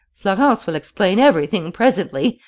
Florence will explain everything presently....